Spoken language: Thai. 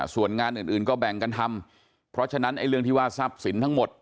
ส่วนงานอื่นก็แบ่งกันทำเพราะฉะนั้นเรื่องที่ว่าทรัพย์สินทั้งหมด